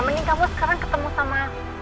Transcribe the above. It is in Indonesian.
mending kamu sekarang ketemu sama